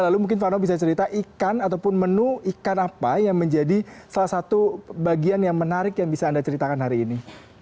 lalu mungkin vano bisa cerita ikan ataupun menu ikan apa yang menjadi salah satu bagian yang menarik yang bisa anda ceritakan hari ini